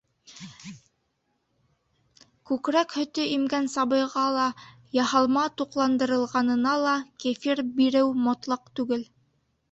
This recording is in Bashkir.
Күкрәк һөтө имгән сабыйға ла, яһалма туҡлан-дырылғанына ла кефир биреү мотлаҡ түгел.